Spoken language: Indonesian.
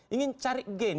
ingin cari gain